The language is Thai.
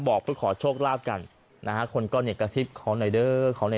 บอกเพื่อขอโชคลาภกันนะฮะคนก็เนี่ยกระซิบขอหน่อยเด้อขอหน่อย